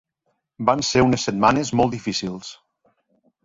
Van ser unes setmanes molt difícils.